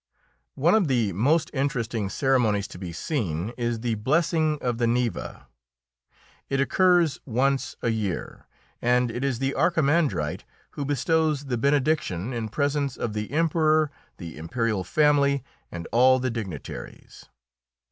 One of the most interesting ceremonies to be seen is the blessing of the Neva. It occurs once a year, and it is the Archimandrite who bestows the benediction in presence of the Emperor, the imperial family, and all the dignitaries.